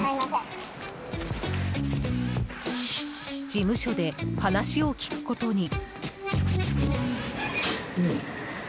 事務所で話を聞くことに。